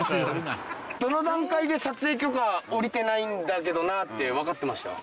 どの段階で撮影許可下りてないんだけどなってわかってました？